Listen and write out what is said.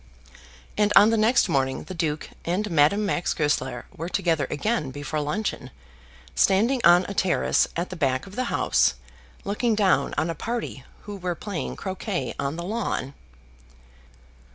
And on the next morning the Duke and Madame Max Goesler were together again before luncheon, standing on a terrace at the back of the house, looking down on a party who were playing croquet on the lawn.